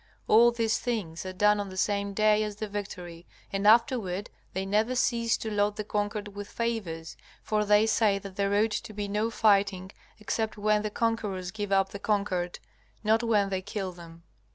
All these things are done on the same day as the victory, and afterward they never cease to load the conquered with favors, for they say that there ought to be no fighting, except when the conquerors give up the conquered, not when they kill them.